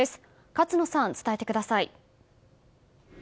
勝野さん、伝えてください。